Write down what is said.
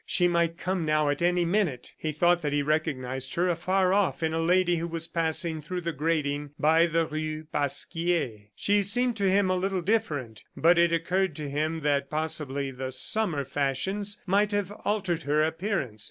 She might come now at any minute! He thought that he recognized her afar off in a lady who was passing through the grating by the rue Pasquier. She seemed to him a little different, but it occurred to him that possibly the Summer fashions might have altered her appearance.